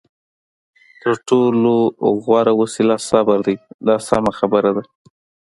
تر ټولو غوره وسله صبر دی دا سمه خبره ده.